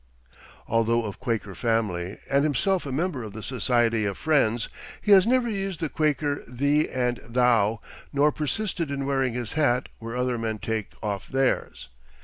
Although of Quaker family, and himself a member of the Society of Friends, he has never used the Quaker thee and thou, nor persisted in wearing his hat where other men take off theirs.